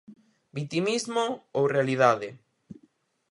Vitimismo ou realidade?